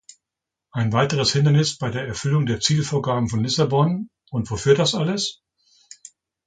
Ein weiteres Hindernis bei der Erfüllung der Zielvorgaben von Lissabon, und wofür das alles?